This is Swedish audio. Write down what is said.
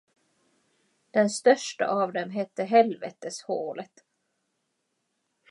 Den största av dem hette Helveteshålet.